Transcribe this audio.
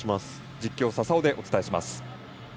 実況、佐々生でお伝えします。